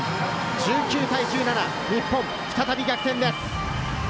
１９対１７、日本、再び逆転です。